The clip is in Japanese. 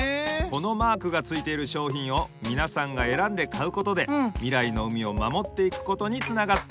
このマークがついているしょうひんをみなさんがえらんでかうことでみらいの海をまもっていくことにつながっていくのです。